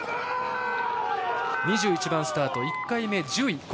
２１番スタート、１回目１０位。